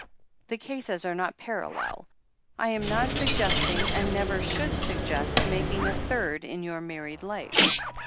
"The cases are not parallel. I am not suggesting — and never should suggest — ^making a third in your mar ried life.